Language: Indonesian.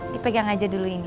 dipegang aja dulu ini